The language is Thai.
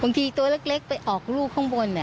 ตัวเล็กไปออกลูกข้างบน